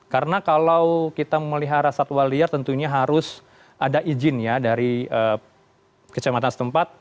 karena kalau kita memelihara satwa liar tentunya harus ada izin ya dari kecamatan setempat